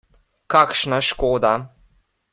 Kakšna škoda!